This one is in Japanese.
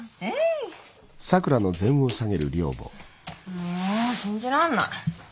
もう信じらんない。